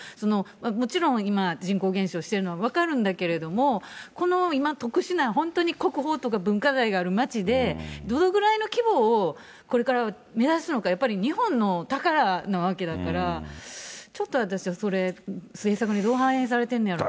もちろん今、人口減少してるのも分かるんだけども、この今、特殊な、本当に国宝とか文化財がある街で、どのくらいの規模をこれから目指すのか、やっぱり日本の宝なわけだから、ちょっと私はそれ、政策にどう反映されてるんだろうと。